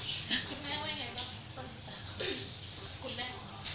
คุณแม่ว่าไงบ้าง